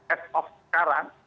as of sekarang